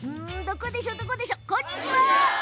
こんにちは！